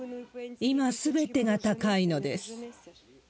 今、すべてが高いのです。